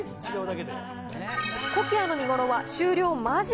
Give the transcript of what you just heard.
コキアの見頃は終了間近。